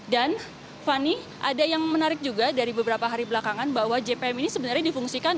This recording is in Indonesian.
dan fani ada yang menarik juga dari beberapa hari belakangan bahwa jpm ini sebenarnya difungsikan